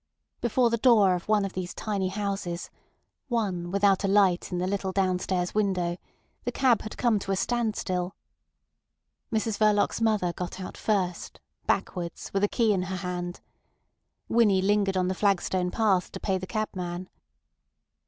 Before the door of one of these tiny houses—one without a light in the little downstairs window—the cab had come to a standstill. Mrs Verloc's mother got out first, backwards, with a key in her hand. Winnie lingered on the flagstone path to pay the cabman.